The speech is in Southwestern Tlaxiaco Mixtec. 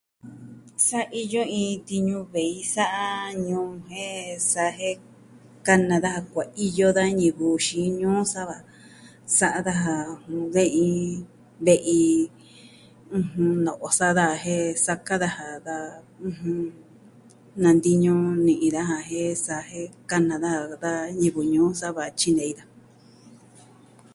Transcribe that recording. Sa iyo iin tiñu ve'i sa'a a ñuu jen sa jen kana daja kuaiyo da ñivɨ xiin ñuu sa va sa'a daja ve'i, ve'i, ɨjɨn, no'on sa'a daja jen saka daja da nantiñu ni'i daja jen sa jen kana daja a da ñivɨ ñuun sa va tyinei daja.